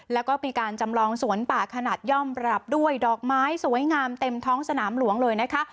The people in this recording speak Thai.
แล้วก็มีการจำลองสวนป่าขนาดย่อมปรับด้วยดอกไม้สวยงามเต็มท้องสนามหลวงเลยนะคะ